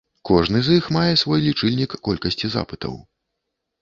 Кожны з іх мае свой лічыльнік колькасці запытаў.